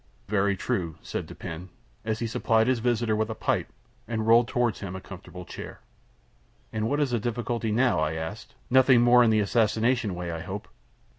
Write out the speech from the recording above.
"Very true," said Dupin, as he supplied his visitor with a pipe, and rolled toward him a comfortable chair. "And what is the difficulty now?" I asked. "Nothing more in the assassination way, I hope?"